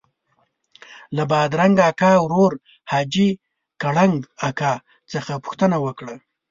له بادرنګ اکا ورور حاجي کړنګ اکا څخه پوښتنه وکړه.